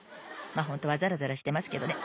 まあホントはざらざらしてますけどね。